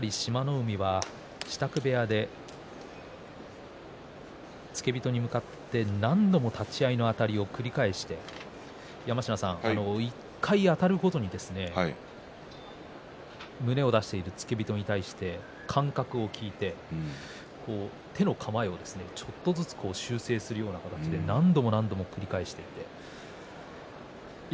海は支度部屋で付け人に向かって何度も立ち合いのあたりを繰り返して、山科さん１回あたるごとに胸を出している付け人に対して感覚を聞いて手の構え方をちょっとずつ修正するような形で何度も何度も繰り返していました。